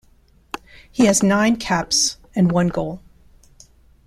He has nine caps, and one goal.